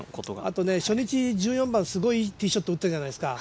あと、初日、１４番すごいいいショット打ったじゃないですか。